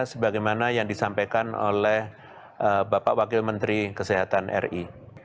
sebagaimana yang disampaikan oleh bapak wakil menteri kesehatan ri